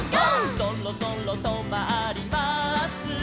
「そろそろとまります」